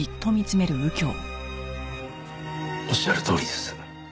おっしゃるとおりです。